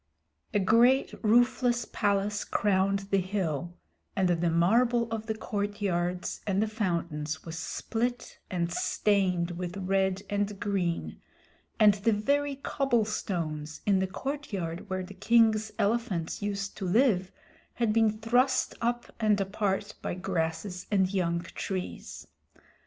A great roofless palace crowned the hill, and the marble of the courtyards and the fountains was split, and stained with red and green, and the very cobblestones in the courtyard where the king's elephants used to live had been thrust up and apart by grasses and young trees.